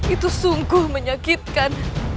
itu sungguh menyakitkan